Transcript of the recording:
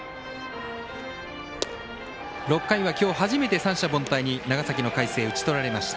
６回は今日初めて三者凡退に長崎の海星打ち取られました。